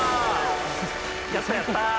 やったー！